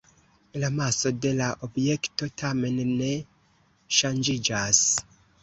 La maso de la objekto tamen ne ŝanĝiĝas.